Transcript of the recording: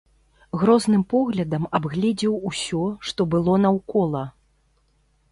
Грозным поглядам абгледзеў усё, што было наўкола.